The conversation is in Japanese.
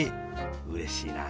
うれしいなあ。